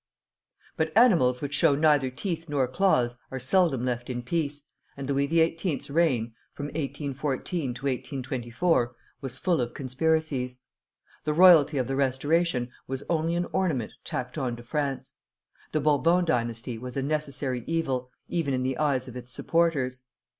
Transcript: _ But animals which show neither teeth nor claws are seldom left in peace, and Louis XVIII.'s reign from 1814 to 1824 was full of conspiracies. The royalty of the Restoration was only an ornament tacked on to France. The Bourbon dynasty was a necessary evil, even in the eyes of its supporters.